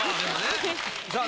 さあ！